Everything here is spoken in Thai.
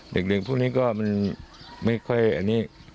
เด็กพวกนี้ก็มันไม่ค่อยอันนี้